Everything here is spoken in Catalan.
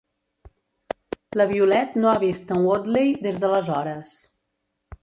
La Violet no ha vist en Woodley des d'aleshores.